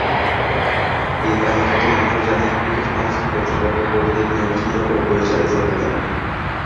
এ তালিকাটি আন্তর্জাতিক cricket council কর্তৃপক্ষ কর্তৃক নিয়ন্ত্রিত ও পরিচালিত হয়ে থাকে।